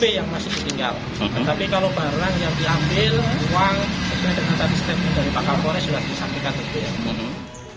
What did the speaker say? tapi kalau barang yang diambil uang itu yang terkata di setiap hari pak kampore sudah disampingkan